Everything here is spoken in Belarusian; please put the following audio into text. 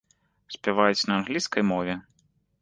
Спяваюць на англійскай мове.